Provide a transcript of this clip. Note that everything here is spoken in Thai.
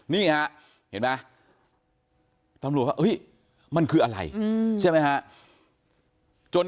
นี่ฮะเห็นไหมตำรวจว่ามันคืออะไรใช่ไหมฮะ